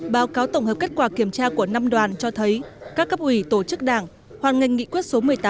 báo cáo tổng hợp kết quả kiểm tra của năm đoàn cho thấy các cấp ủy tổ chức đảng hoàn ngành nghị quyết số một mươi tám